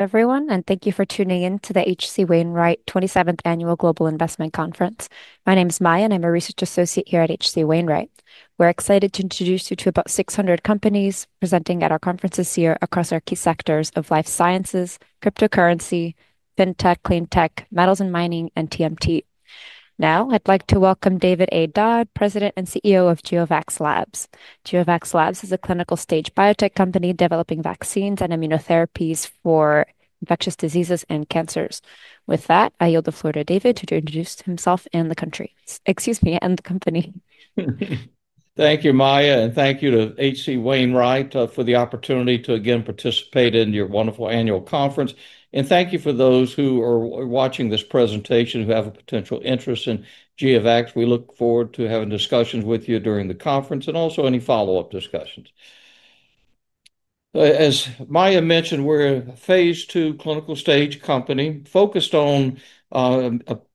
Everyone, and thank you for tuning in to the HC Wainwright 27th Annual Global Investment Conference. My name is Maya, and I'm a Research Associate here at HC Wainwright. We're excited to introduce you to about 600 companies presenting at our conferences here across our key sectors of life sciences, cryptocurrency, fintech, clean tech, metals and mining, and TMT. Now, I'd like to welcome David A. Dodd, President and CEO of GeoVax Labs. GeoVax Labs is a clinical stage biotech company developing vaccines and immunotherapies for infectious diseases and cancers. With that, I yield the floor to David to introduce himself and the company. Thank you, Maya, and thank you to HC Wainwright for the opportunity to again participate in your wonderful annual conference. Thank you for those who are watching this presentation who have a potential interest in GeoVax Labs. We look forward to having discussions with you during the conference and also any follow-up discussions. As Maya mentioned, we're a phase two clinical stage company focused on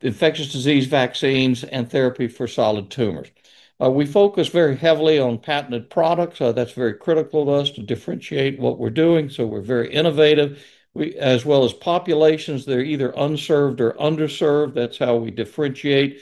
infectious disease vaccines and therapy for solid tumors. We focus very heavily on patented products. That's very critical to us to differentiate what we're doing. We are very innovative, as well as populations that are either unserved or underserved. That's how we you.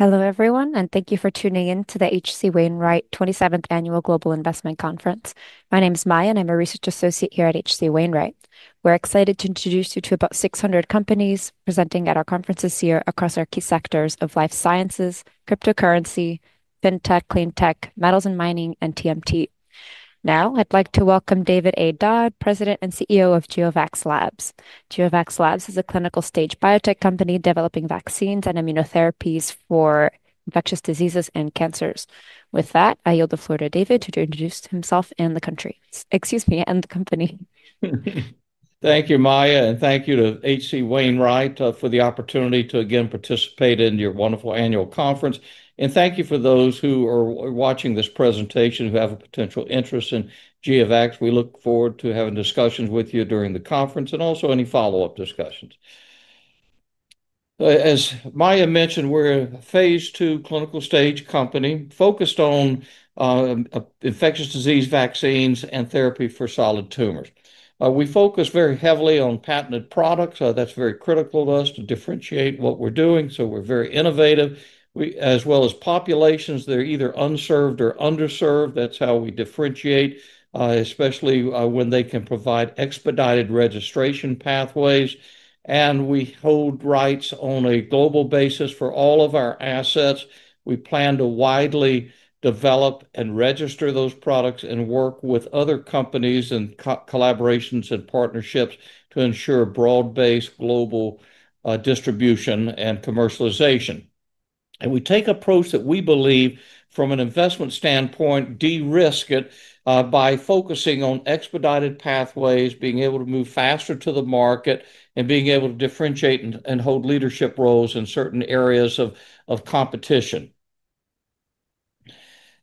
Hello, everyone, and thank you for tuning in to the HC Wainwright 27th Annual Global Investment Conference. My name is Maya, and I'm a Research Associate here at HC Wainwright. We're excited to introduce you to about 600 companies presenting at our conferences here across our key sectors of life sciences, cryptocurrency, fintech, clean tech, metals and mining, and TMT. Now, I'd like to welcome David A. Dodd, President and CEO of GeoVax Labs. GeoVax Labs is a clinical stage biotech company developing vaccines and immunotherapies for infectious diseases and cancers. With that, I yield the floor to David to introduce himself and the company. Thank you, Maya, and thank you to HC Wainwright for the opportunity to again participate in your wonderful annual conference. Thank you for those who are watching this presentation who have a potential interest in GeoVax. We look forward to having discussions with you during the conference and also any follow-up discussions. As Maya mentioned, we're a phase two clinical stage company focused on infectious disease vaccines and therapy for solid tumors. We focus very heavily on patented products. That's very critical to us to differentiate what we're doing. We are very innovative, as well as populations that are either unserved or underserved. That's how we differentiate, especially when they can provide expedited registration pathways. We hold rights on a global basis for all of our assets. We plan to widely develop and register those products and work with other companies and collaborations and partnerships to ensure broad-based global distribution and commercialization. We take an approach that we believe, from an investment standpoint, de-risk it by focusing on expedited pathways, being able to move faster to the market, and being able to differentiate and hold leadership roles in certain areas of competition.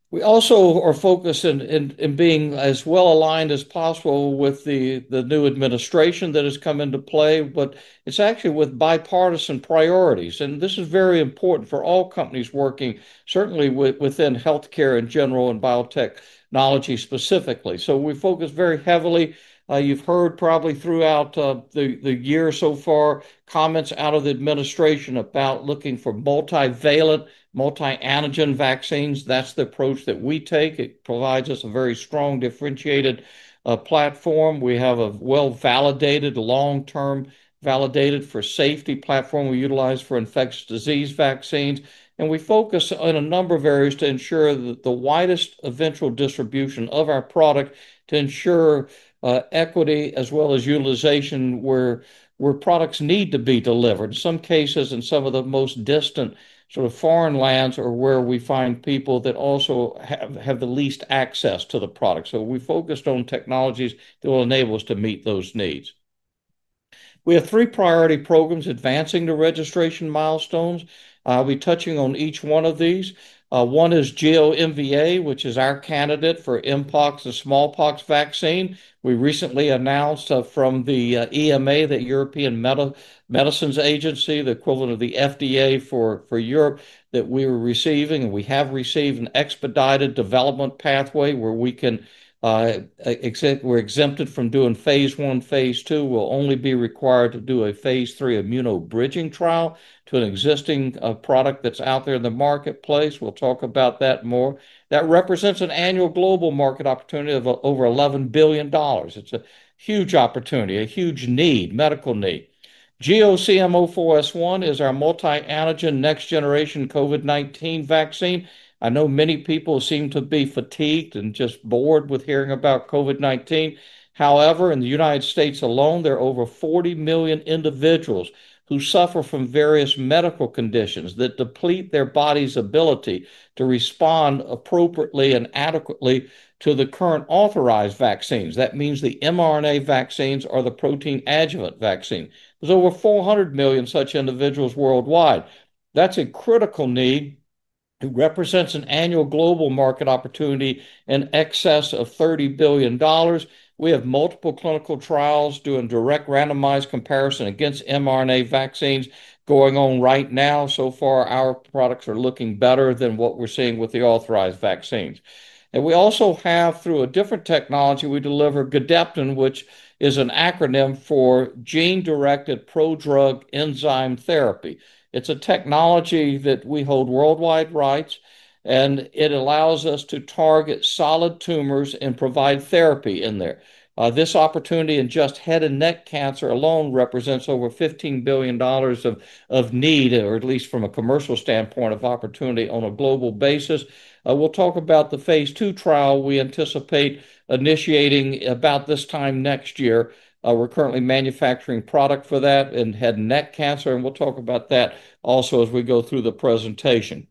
We also are focused on being as well aligned as possible with the new administration that has come into play, but it's actually with bipartisan priorities. This is very important for all companies working, certainly within healthcare in general and biotechnology specifically. We focus very heavily. You've heard probably throughout the year so far comments out of the administration about looking for multivalent, multi-antigen vaccines. That's the approach that we take. It provides us a very strong differentiated platform. We have a well-validated, long-term validated for safety platform we utilize for infectious disease vaccines. We focus on a number of areas to ensure the widest eventual distribution of our product to ensure equity as well as utilization where products need to be delivered. In some cases, in some of the most distant sort of foreign lands or where we find people that also have the least access to the product. We focused on technologies that will enable us to meet those needs. We have three priority programs advancing the registration milestones. I'll be touching on each one of these. One is GEO-MVA, which is our candidate for mpox and smallpox vaccine. We recently announced from the EMA, the European Medicines Agency, the equivalent of the FDA for Europe, that we were receiving and we have received an expedited development pathway where we can be exempt from doing phase one. Phase two will only be required to do a phase three immuno-bridging trial to an existing product that's out there in the marketplace. We'll talk about that more. That represents an annual global market opportunity of over $11 billion. It's a huge opportunity, a huge need, medical need. GEO-CM04S1 is our multi-antigen next generation COVID-19 vaccine. I know many people seem to be fatigued and just bored with hearing about COVID-19. However, in the U.S. alone, there are over 40 million individuals who suffer from various medical conditions that deplete their body's ability to respond appropriately and adequately to the current authorized vaccines. That means the mRNA vaccines or the protein adjuvant vaccine. There's over 400 million such individuals worldwide. That's a critical need that represents an annual global market opportunity in excess of $30 billion. We have multiple clinical trials doing direct randomized comparison against mRNA vaccines going on right now. So far, our products are looking better than what we're seeing with the authorized vaccines. We also have, through a different technology, we deliver Gedeptin, which is an acronym for gene-directed prodrug enzyme therapy. It's a technology that we hold worldwide rights, and it allows us to target solid tumors and provide therapy in there. This opportunity in just head and neck cancer alone represents over $15 billion of need, or at least from a commercial standpoint of opportunity on a global basis. We'll talk about the phase two trial we anticipate initiating about this time next year. We're currently manufacturing product for that in head and neck cancer, and we'll talk about that also as we go through the presentation.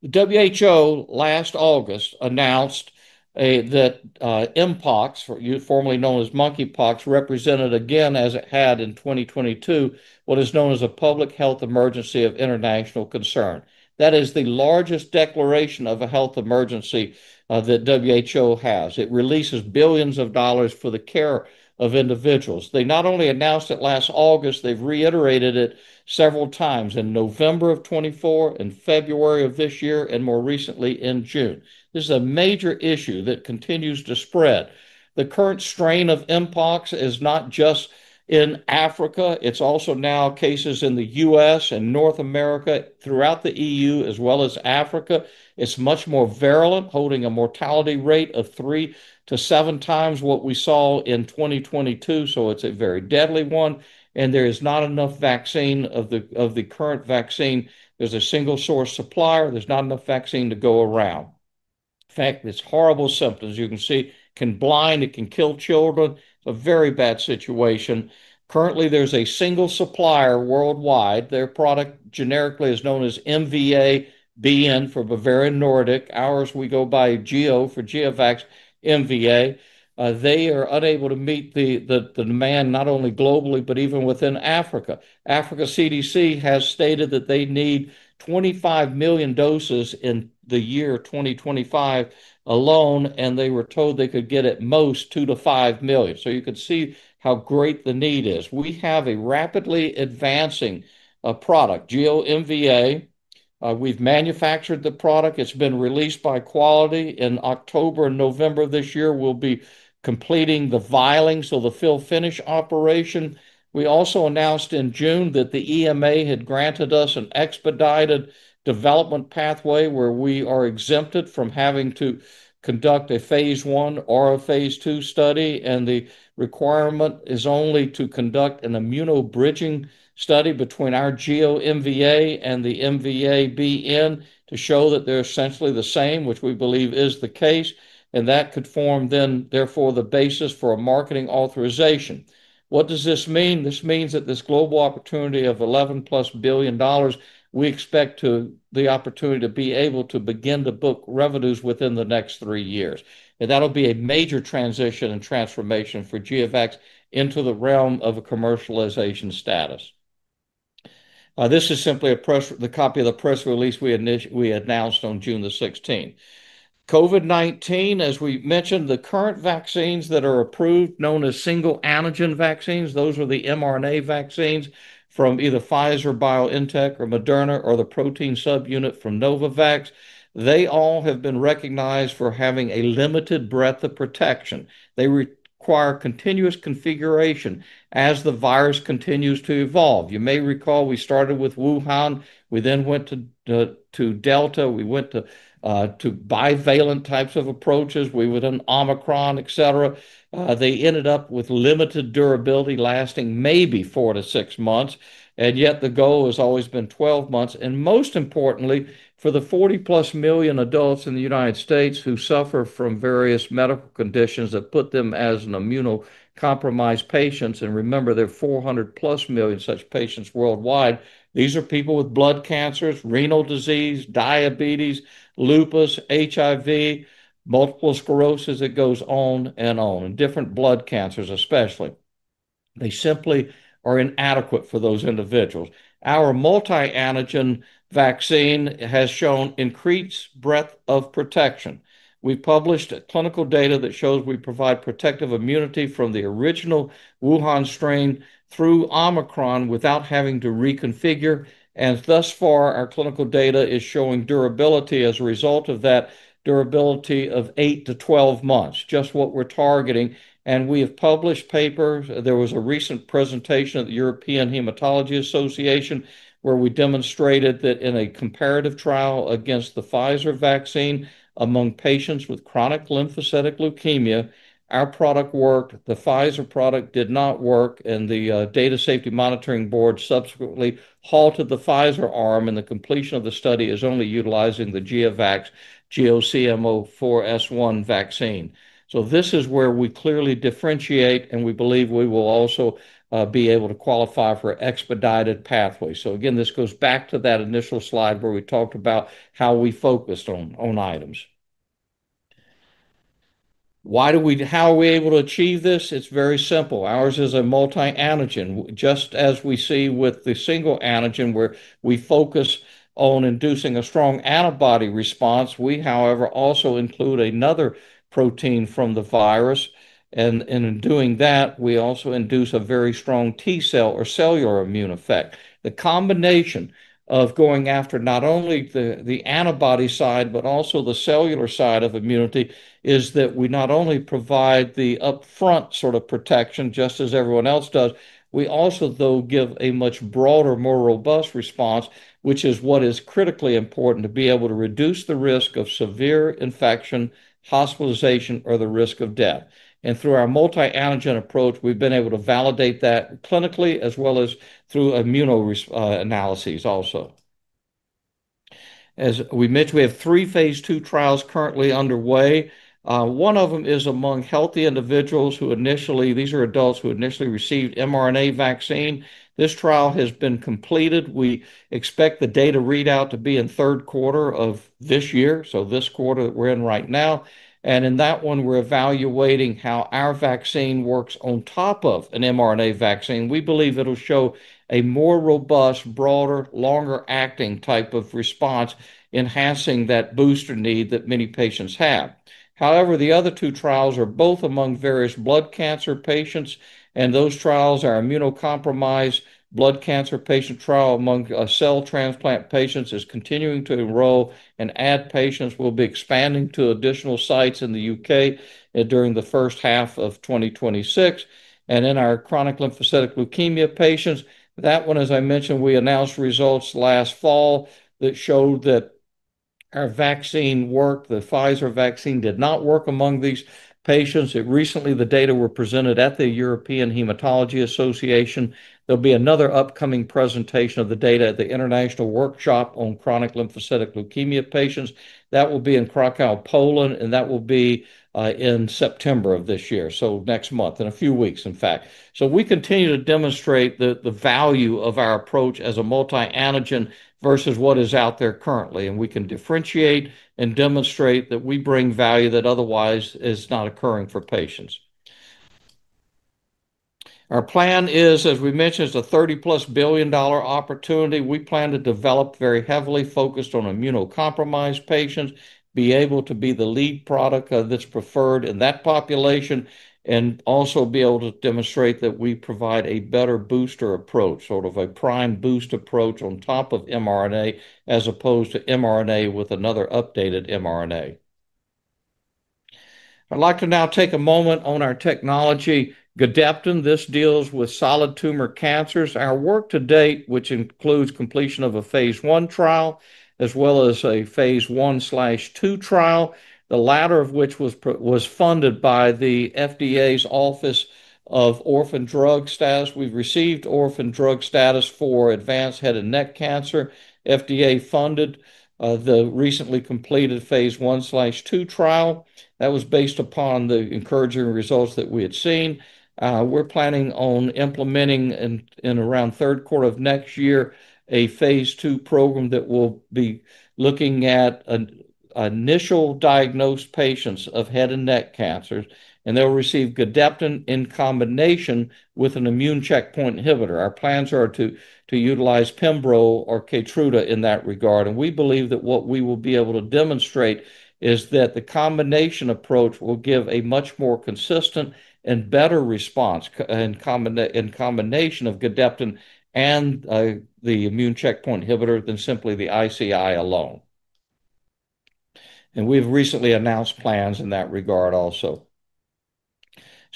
WHO last August announced that mpox, formerly known as monkeypox, represented again, as it had in 2022, what is known as a public health emergency of international concern. That is the largest declaration of a health emergency that WHO has. It releases billions of dollars for the care of individuals. They not only announced it last August, they've reiterated it several times in November of 2024, in February of this year, and more recently in June. This is a major issue that continues to spread. The current strain of mpox is not just in Africa. It's also now cases in the U.S. and North America, throughout the EU, as well as Africa. It's much more virulent, holding a mortality rate of 3- 7x what we saw in 2022. It's a very deadly one, and there is not enough vaccine of the current vaccine. There's a single source supplier. There's not enough vaccine to go around. In fact, it's horrible symptoms you can see. It can blind. It can kill children. A very bad situation. Currently, there's a single supplier worldwide. Their product generically is known as MVA-BN for Bavarian Nordic. Ours, we go by GEO for GeoVax MVA. They are unable to meet the demand not only globally, but even within Africa. Africa CDC has stated that they need 25 million doses in the year 2025 alone, and they were told they could get at most 2- 5 million. You can see how great the need is. We have a rapidly advancing product, GEO-MVA. We've manufactured the product. It's been released by quality in October and November of this year. We'll be completing the vialing, so the fill-finish operation. We also announced in June that the EMA had granted us an expedited development pathway where we are exempted from having to conduct a phase I or a phase II study, and the requirement is only to conduct an immuno-bridging study between our GEO-MVA and the MVA-BN to show that they're essentially the same, which we believe is the case. That could form, therefore, the basis for a marketing authorization. What does this mean? This means that this global opportunity of $11+ billion, we expect the opportunity to be able to begin to book revenues within the next three years. That'll be a major transition and transformation for GeoVax into the realm of a commercialization status. This is simply the copy of the press release we announced on June the 16th. COVID-19, as we mentioned, the current vaccines that are approved known as single antigen vaccines, those are the mRNA vaccines from either Pfizer BioNTech or Moderna or the protein subunit from Novavax. They all have been recognized for having a limited breadth of protection. They require continuous configuration as the virus continues to evolve. You may recall we started with Wuhan. We then went to Delta. We went to bivalent types of approaches. We went on Omicron, et cetera. They ended up with limited durability, lasting maybe 4- 6 months. Yet the goal has always been 12 months. Most importantly, for the 40+ million adults in the U.S. who suffer from various medical conditions that put them as immunocompromised patients, and remember there are 400+ million such patients worldwide. These are people with blood cancers, renal disease, diabetes, lupus, HIV, multiple sclerosis. It goes on and on and different blood cancers especially. They simply are inadequate for those individuals. Our multi-antigen vaccine has shown increased breadth of protection. We published clinical data that shows we provide protective immunity from the original Wuhan strain through Omicron without having to reconfigure. Thus far, our clinical data is showing durability as a result of that durability of eight to 12 months, just what we're targeting. We have published papers. There was a recent presentation at the European Hematology Association where we demonstrated that in a comparative trial against the Pfizer vaccine among patients with chronic lymphocytic leukemia, our product worked. The Pfizer product did not work, and the Data Safety Monitoring Board subsequently halted the Pfizer arm, and the completion of the study is only utilizing the GeoVax GEO-CM04S1 vaccine. This is where we clearly differentiate, and we believe we will also be able to qualify for expedited pathways. This goes back to that initial slide where we talked about how we focused on items. How are we able to achieve this? It's very simple. Ours is a multi-antigen, just as we see with the single antigen where we focus on inducing a strong antibody response. We, however, also include another protein from the virus, and in doing that, we also induce a very strong T cell or cellular immune effect. The combination of going after not only the antibody side, but also the cellular side of immunity is that we not only provide the upfront sort of protection just as everyone else does, we also, though, give a much broader, more robust response, which is what is critically important to be able to reduce the risk of severe infection, hospitalization, or the risk of death. Through our multi-antigen approach, we've been able to validate that clinically as well as through immuno analyses also. As we mentioned, we have three phase two trials currently underway. One of them is among healthy individuals who initially, these are adults who initially received mRNA vaccine. This trial has been completed. We expect the data readout to be in the third quarter of this year, so this quarter that we're in right now. In that one, we're evaluating how our vaccine works on top of an mRNA vaccine. We believe it'll show a more robust, broader, longer acting type of response, enhancing that booster need that many patients have. However, the other two trials are both among various blood cancer patients, and those trials are immunocompromised blood cancer patients. A trial among cell transplant patients is continuing to grow, and patients will be expanding to additional sites in the UK during the first half of 2026. In our chronic lymphocytic leukemia patients, that one, as I mentioned, we announced results last fall that showed that our vaccine worked, the Pfizer vaccine did not work among these patients. Recently, the data were presented at the European Hematology Association. There'll be another upcoming presentation of the data at the International Workshop on Chronic Lymphocytic Leukemia Patients. That will be in Kraków, Poland, and that will be in September of this year, next month, in a few weeks, in fact. We continue to demonstrate the value of our approach as a multi-antigen versus what is out there currently, and we can differentiate and demonstrate that we bring value that otherwise is not occurring for patients. Our plan is, as we mentioned, it's a $30+ billion opportunity. We plan to develop very heavily focused on immunocompromised patients, be able to be the lead product that's preferred in that population, and also be able to demonstrate that we provide a better booster approach, sort of a prime boost approach on top of mRNA as opposed to mRNA with another updated mRNA. I'd like to now take a moment on our technology, Gedeptin. This deals with solid tumor cancers. Our work to date, which includes completion of a phase I trial as well as a phase I/II trial, the latter of which was funded by the FDA's Office of Orphan Drug Status. We've received orphan drug status for advanced head and neck cancer. FDA funded the recently completed phase I/II trial. That was based upon the encouraging results that we had seen. We're planning on implementing in around the third quarter of next year a phase II program that will be looking at initial diagnosed patients of head and neck cancers, and they'll receive Gedeptin in combination with an immune checkpoint inhibitor. Our plans are to utilize Keytruda in that regard, and we believe that what we will be able to demonstrate is that the combination approach will give a much more consistent and better response in combination of Gedeptin and the immune checkpoint inhibitor than simply the ICI alone. We have recently announced plans in that regard also.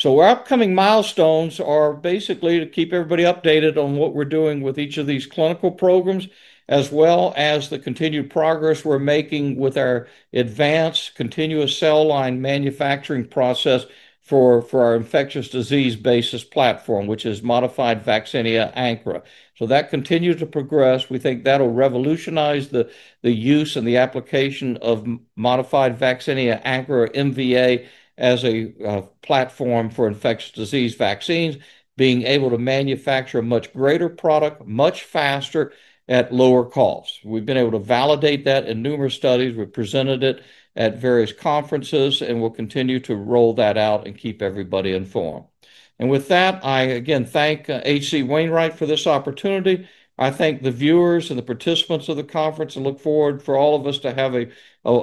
Our upcoming milestones are basically to keep everybody updated on what we're doing with each of these clinical programs, as well as the continued progress we're making with our advanced continuous cell line manufacturing process for our infectious disease basis platform, which is Modified Vaccinia Ankara. That continues to progress. We think that'll revolutionize the use and the application of Modified Vaccinia Ankara MVA as a platform for infectious disease vaccines, being able to manufacture a much greater product much faster at lower cost. We've been able to validate that in numerous studies. We've presented it at various conferences, and we'll continue to roll that out and keep everybody informed. With that, I again thank HC Wainwright for this opportunity. I thank the viewers and the participants of the conference and look forward for all of us to have a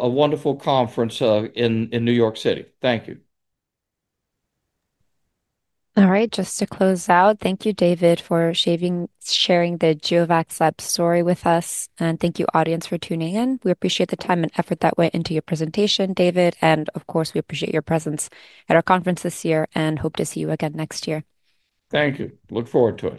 wonderful conference in New York City. Thank you. All right, just to close out, thank you, David, for sharing the GeoVax Labs story with us, and thank you, audience, for tuning in. We appreciate the time and effort that went into your presentation, David, and of course, we appreciate your presence at our conference this year and hope to see you again next year. Thank you. Look forward to it.